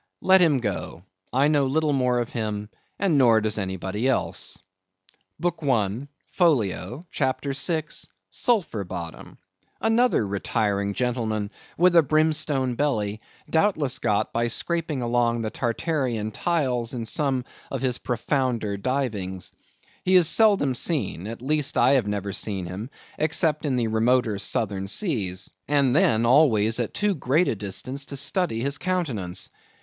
Let him go. I know little more of him, nor does anybody else. BOOK I. (Folio), CHAPTER VI. (Sulphur Bottom).—Another retiring gentleman, with a brimstone belly, doubtless got by scraping along the Tartarian tiles in some of his profounder divings. He is seldom seen; at least I have never seen him except in the remoter southern seas, and then always at too great a distance to study his countenance.